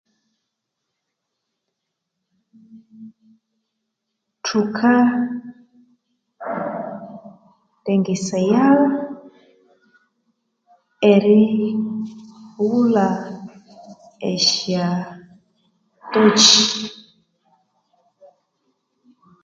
Thuka lengesayagha eri ghulha esya tokyi